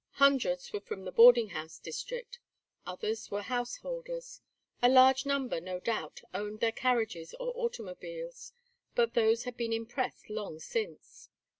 Hundreds were from the "boarding house district"; others were householders; a large number, no doubt, owned their carriages or automobiles, but those had been impressed long since.